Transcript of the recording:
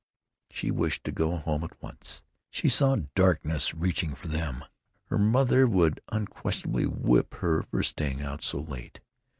She wished to go home at once. She saw darkness reaching for them. Her mother would unquestionably whip her for staying out so late.